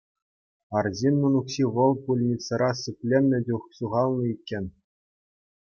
Арҫыннӑн укҫи вӑл пульницӑра сипленнӗ чух ҫухалнӑ иккен.